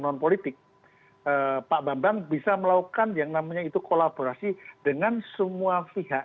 non politik pak bambang bisa melakukan yang namanya itu kolaborasi dengan semua pihak